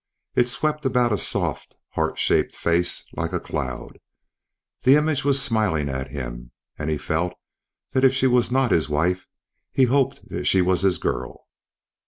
It swept about a soft, heart shaped face like a cloud. The image was smiling at him and he felt that if she was not his wife, he hoped that she was his girl.